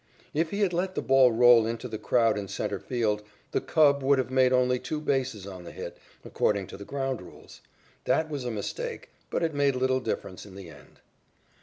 If he had let the ball roll into the crowd in centre field, the Cub could have made only two bases on the hit, according to the ground rules. That was a mistake, but it made little difference in the end.